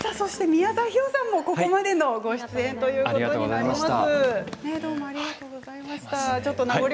宮沢氷魚さんもここまでのご出演ということになります。